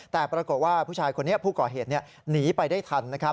แต่ปรากฏว่าผู้ชายคนนี้ผู้ก่อเหตุหนีไปได้ทันนะครับ